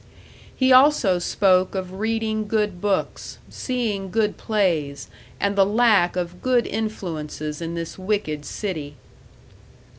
He also spoke of reading good books, seeing good plays, and the lack of good influences in this wicked city.